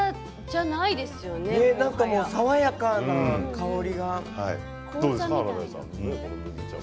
爽やかな香りが。